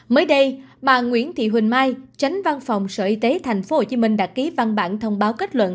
mới đây bà nguyễn thị huỳnh mai tránh văn phòng sở y tế tp hcm đã ký văn bản thông báo kết luận